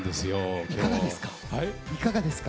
いかがですか？